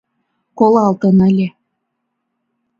Колалтын ыле...